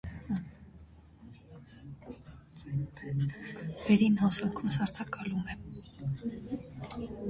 Վերին հոսանքում սառցակալում է։